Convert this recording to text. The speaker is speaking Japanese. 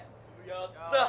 やった！